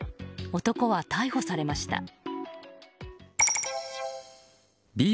男は逮捕されました。